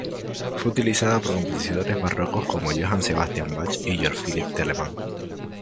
Fue utilizada por compositores barrocos como Johann Sebastian Bach y Georg Philipp Telemann.